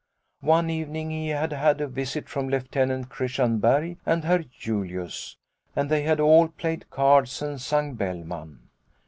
One evening he had had a visit from Lieutenant Christian Berg and Herr Julius, and they had all played cards and sung Bellman.